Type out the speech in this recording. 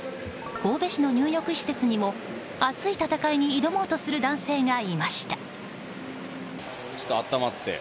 神戸市の入浴施設にも熱い戦いに挑もうとする男性がいました。